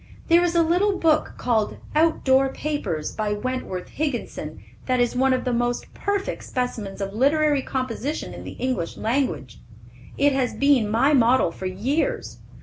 There is a little book called Out Door Papers, by Wentworth Higginson, that is one of the most perfect specimens of literary composition in the English language. It has been my model for years.